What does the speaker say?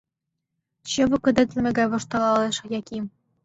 Чыве кыдетлыме гай воштылалеш Яким.